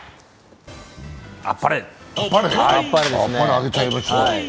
あっぱれ！